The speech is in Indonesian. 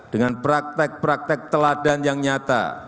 dengan praktek praktek teladan yang nyata